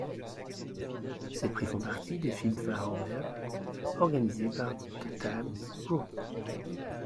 Ces prix font partie des Filmfare Awards, organisés par The Times Group.